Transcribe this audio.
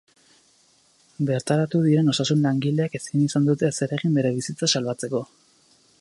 Bertaratu diren osasun-langileek ezin izan dute ezer egin bere bizitza salbatzeko.